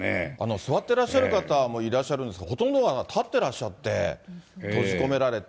座ってらっしゃる方もいらっしゃるんですが、ほとんどが立ってらっしゃって、閉じ込められて。